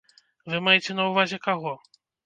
Вы маеце на ўвазе каго?